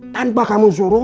tanpa kamu suruh